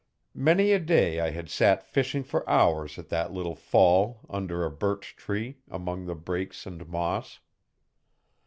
Many a day I had sat fishing for hours at the little fall under a birch tree, among the brakes and moss.